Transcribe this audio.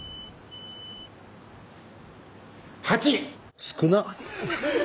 ８！